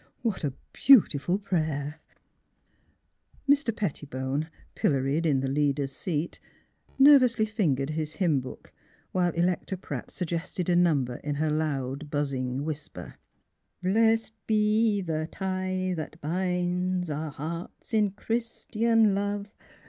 what a beautiful prayer !'' Mr. Pettibone, pilloried in the leader's seat, nervously fingered his hymn book, while Electa Pratt suggested a number in her loud, buzzing whisper. " Bles st be e the tie i that bi in's. Our hear rts in Chri istian love!